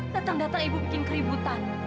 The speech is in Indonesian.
datang datang ibu bikin keributan